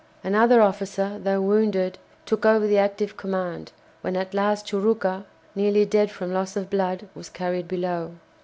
Another officer, though wounded, took over the active command when at last Churucca, nearly dead from loss of blood, was carried below.